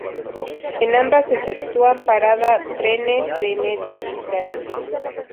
En ambas efectúan parada trenes de Media Distancia.